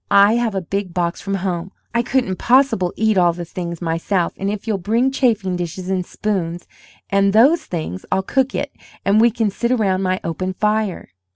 I have a big box from home. I couldn't possible eat all the things myself, and if you'll bring chafing dishes and spoons, and those things, I'll cook it, and we can sit round my open fire."